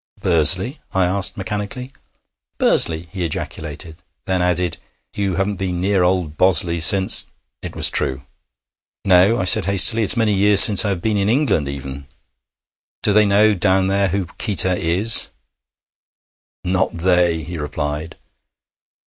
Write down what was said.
'Bursley?' I asked mechanically. 'Bursley,' he ejaculated; then added, 'you haven't been near old Bosley since ' It was true. 'No,' I said hastily. 'It is many years since I have been in England, even. Do they know down there who Qita is?' 'Not they!' he replied.